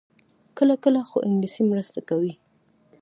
کله کله، خو انګلیسي مرسته کوي